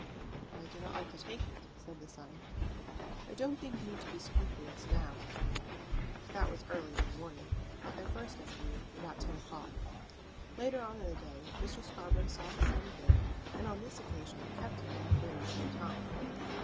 "I do not like to take it," said the son. "I don't think you need be scrupulous now with me." That was early in the morning, at their first interview, about ten o'clock. Later on in the day Mr. Scarborough saw his son again, and on this occasion kept him in the room some time.